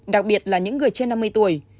đặc biệt là những người trên năm mươi tuổi